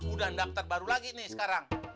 udah daftar baru lagi nih sekarang